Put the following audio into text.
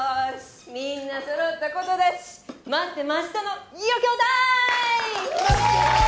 みんなそろった事だし待ってましたの余興ターイム！